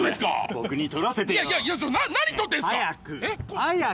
僕に撮らせてよいやいや何撮ってんすか早く早く！